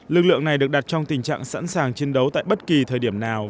lực lượng này được đặt trong tình trạng sẵn sàng chiến đấu tại bất kỳ thời điểm nào